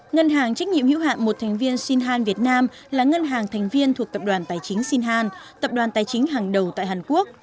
ngân hàng trách nhiệm hữu hạn một thành viên sinhan việt nam là ngân hàng thành viên thuộc tập đoàn tài chính sinhan tập đoàn tài chính hàng đầu tại hàn quốc